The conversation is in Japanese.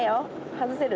外せる？